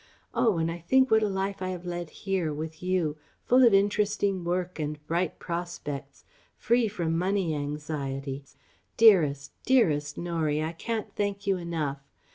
Oh, when I think what a life I have led here, with you, full of interesting work and bright prospects, free from money anxieties dearest, dearest Norie I can't thank you enough.